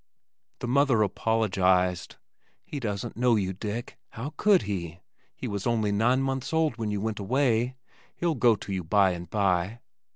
The mother apologized. "He doesn't know you, Dick. How could he? He was only nine months old when you went away. He'll go to you by and by."